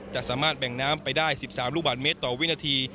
จะสามารถแบ่งน้ำไปได้๑๓ลูกบาทเมตรต่อวินาที